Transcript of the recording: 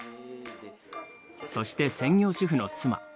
そして専業主婦の妻。